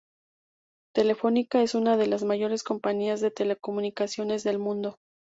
Telefónica es una de las mayores compañías de telecomunicaciones del mundo.